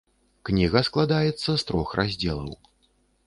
Кніга складаецца з трох раздзелаў.